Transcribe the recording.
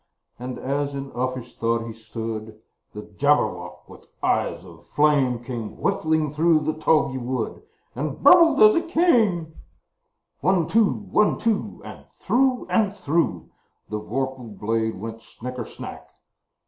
And, as in uffish thought he stood, The Jabberwock, with eyes of flame, Came whiffling through the tulgey wood, And burbled as it came! One, two! One, two! And through and through The vorpal blade went snicker snack!